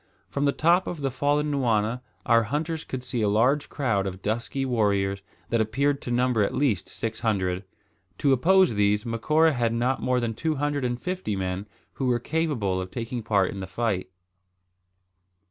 From the top of the fallen nwana our hunters could see a large crowd of dusky warriors, that appeared to number at least six hundred. To oppose these, Macora had not more than two hundred and fifty men who were capable of taking part in the fight.